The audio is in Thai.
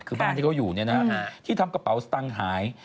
คือบ้านที่เขาอยู่ที่ทำกระเป๋าสตังค์หาย